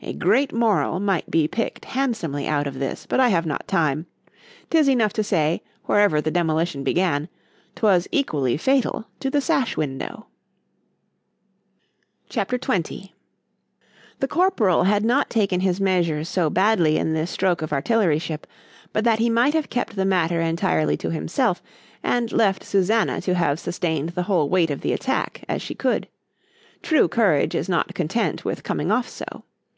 ——A great MORAL might be picked handsomely out of this, but I have not time—'tis enough to say, wherever the demolition began, 'twas equally fatal to the sash window. C H A P. XX THE corporal had not taken his measures so badly in this stroke of artilleryship, but that he might have kept the matter entirely to himself, and left Susannah to have sustained the whole weight of the attack, as she could;—true courage is not content with coming off so.